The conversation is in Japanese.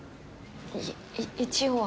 い一応は。